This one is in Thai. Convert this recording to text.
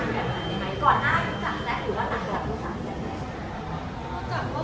มีคำถามปราคมันนั้นไง